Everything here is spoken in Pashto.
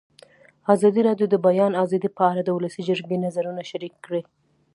ازادي راډیو د د بیان آزادي په اړه د ولسي جرګې نظرونه شریک کړي.